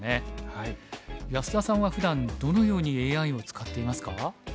安田さんはふだんどのようにＡＩを使っていますか？